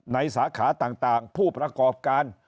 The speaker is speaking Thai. สาขาต่างผู้ประกอบการ